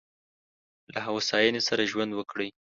له هوساینې سره ژوند وکړئ.